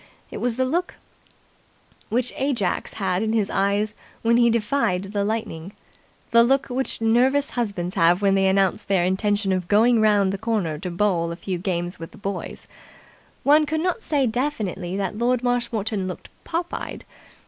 It was the look which Ajax had in his eyes when he defied the lightning, the look which nervous husbands have when they announce their intention of going round the corner to bowl a few games with the boys. One could not say definitely that Lord Marshmoreton looked pop eyed.